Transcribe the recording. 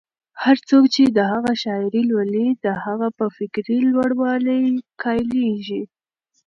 هر څوک چې د هغه شاعري لولي، د هغه په فکري لوړوالي قایلېږي.